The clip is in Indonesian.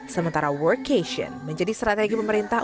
sementara workation menjadi strategi pemerintah